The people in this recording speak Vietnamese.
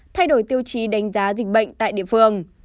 thay đổi tiêu chí đánh giá dịch bệnh tại địa phương